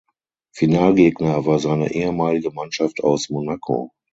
Finalgegner war seine ehemalige Mannschaft aus Monaco.